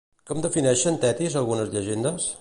Com defineixen Tetis algunes llegendes?